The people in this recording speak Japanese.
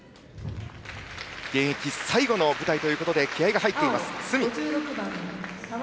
現役最後の舞台ということで気合いが入っています、角。